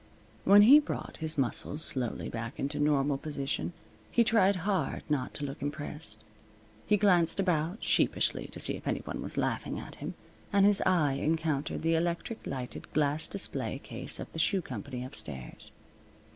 When he brought his muscles slowly back into normal position he tried hard not to look impressed. He glanced about, sheepishly, to see if any one was laughing at him, and his eye encountered the electric lighted glass display case of the shoe company upstairs.